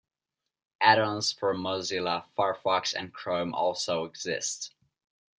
Add-ons for Mozilla Firefox and Chrome also exist.